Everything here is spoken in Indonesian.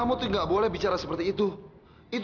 mana pernah dia cari yuli